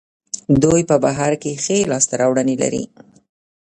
دوی په بهر کې ښې لاسته راوړنې لري.